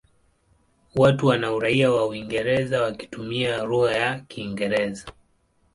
Wote wana uraia wa Uingereza wakitumia lugha ya Kiingereza.